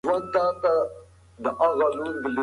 د کتاب مينه وال تل د نويو معلوماتو په لټه کي وي.